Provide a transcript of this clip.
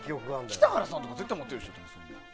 北原さんとか絶対持ってるでしょ。